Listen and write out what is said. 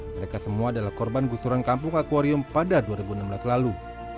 mereka semua adalah korban gusuran kampung akwarium pada dua ribu enam belas lalu